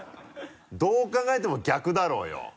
どう考えても逆だろうよ。